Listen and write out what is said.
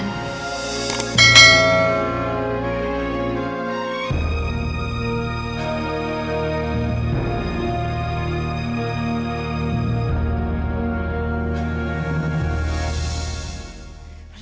hanya tanpa mereka sih